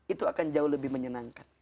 itu akan jauh lebih menyenangkan